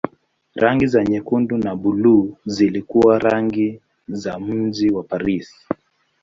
Rangi za nyekundu na buluu zilikuwa rangi za mji wa Paris.